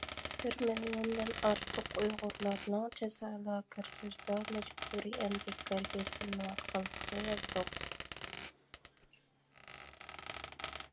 بىر مىليوندىن ئارتۇق ئۇيغۇرلارنىڭ جازا لاگېرلىرىدا مەجبۇرىي ئەمگەكلەرگە سېلىنىۋاتقانلىقىنى يازدۇق.